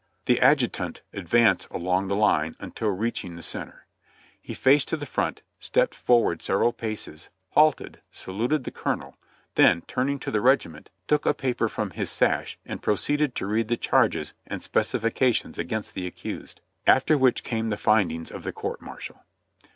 The adjutant advanced along the hne until reaching the center. He faced to the front stepped forward several paces, halted, saluted the colonel then' turning to the regiment, took a paper from his sash and proceeded to read the charges and specifications against the accused: after which came the findings of the court martial.